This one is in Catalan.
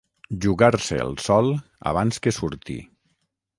Jugar-se el sol abans que surti.